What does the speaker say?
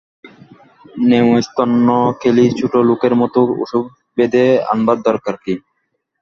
নেমস্তন্ন খেলিছোটলোকের মতো ওসব বেঁধে আনবার দরকাব কি!